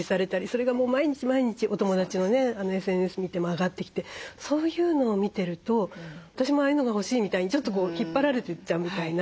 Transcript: それが毎日毎日お友達のねＳＮＳ見ても上がってきてそういうのを見てると私もああいうのが欲しいみたいにちょっと引っ張られていっちゃうみたいな。